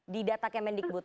di data kementikbud